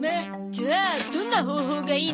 じゃあどんな方法がいいの？